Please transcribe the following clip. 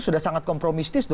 sudah sangat kompromistis